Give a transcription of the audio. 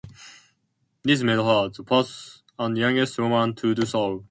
This made her the first and youngest woman to do so.